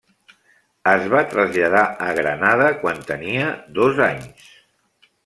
Es va traslladar a Granada quan tenia dos anys.